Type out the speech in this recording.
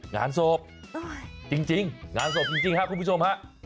งานศพจริงงานศพจริงครับคุณผู้ชมฮะ